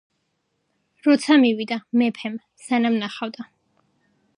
როცა მივიდა, მეფემ, სანამ ნახავდა,